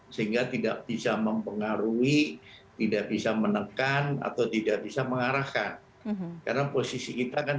sehingga tidak bisa mempengaruhi tidak bisa menekan atau tidak bisa mengarahkan karena posisi kita kan